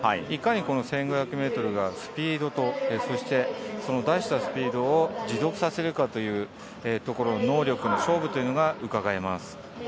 いかに１５００ｍがスピードと、そして出したスピードを持続させるかというところの能力の勝負というのがうかがえます。